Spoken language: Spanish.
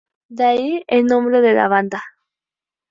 De ahí el nombre de la banda.